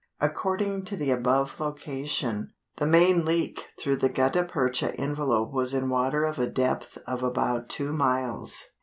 According to the above location, the main leak through the gutta percha envelope was in water of a depth of about two miles.